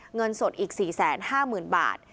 เงินสดอีก๔๕๐๐๐บาท